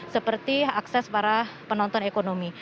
seperti akses para penonton ekonomi